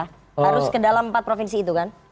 harus ke dalam empat provinsi itu kan